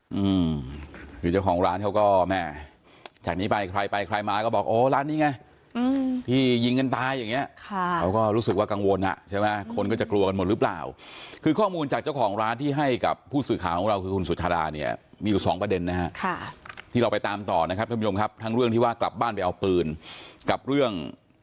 อืมคือเจ้าของร้านเขาก็แม่จากนี้ไปใครไปใครมาก็บอกโอ้ร้านนี้ไงอืมที่ยิงกันตายอย่างเงี้ยค่ะเขาก็รู้สึกว่ากังวลอ่ะใช่ไหมคนก็จะกลัวกันหมดหรือเปล่าคือข้อมูลจากเจ้าของร้านที่ให้กับผู้สื่อข่าวของเราคือคุณสุชาดาเนี่ยมีอยู่สองประเด็นนะฮะค่ะที่เราไปตามต่อนะครับท่านผู้ชมครับทั้งเรื่องที่ว่ากลับบ้านไปเอาปืนกับเรื่อง